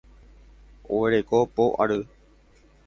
Oguereko po ary.